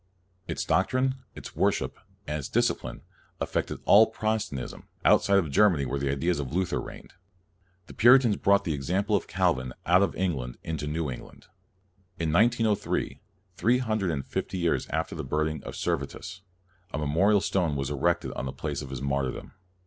Its doctrine, its worship, and its disci pline affected all Protestantism, outside of Germany where the ideas of Luther reigned. The Puritans brought the ex ample of Calvin out of England into New England. In 1903, three hundred and fifty years after the burning of Servetus, a memorial stone was erected on the place of his martyrdom.